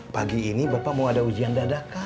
pagi ini bapak mau ada ujian dadah kan